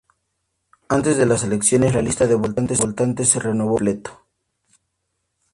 Antes de las elecciones, la lista de votantes se renovó por completo.